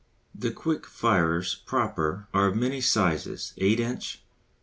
The quick firers proper are of many sizes, 8 inch, 7.